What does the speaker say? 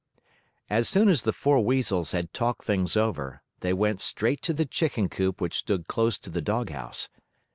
As soon as the four Weasels had talked things over, they went straight to the chicken coop which stood close to the doghouse.